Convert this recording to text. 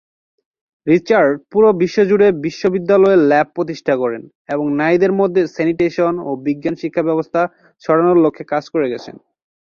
Richard পুরো বিশ্বজুড়ে বিশ্ববিদ্যালয়ে ল্যাব প্রতিষ্ঠা করেন এবং নারীদের মধ্যে স্যানিটেশন ও বিজ্ঞান শিক্ষা ব্যবস্থা ছড়ানোর লক্ষ্যে কাজ করে গেছেন।